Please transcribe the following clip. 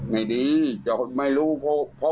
ไม่ดีไม่รู้เพิ่มที่จะตาย